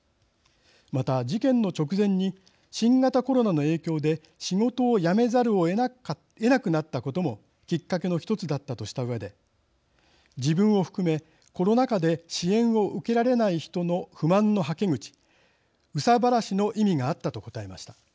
また事件の直前に新型コロナの影響で仕事を辞めざるをえなくなったこともきっかけのひとつだったとしたうえで自分を含めコロナ禍で支援を受けられない人の不満のはけ口憂さ晴らしの意味があったと答えました。